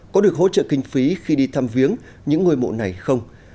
có được hỗ trợ kinh phí khi đi thăm viếng những ngôi mộ này không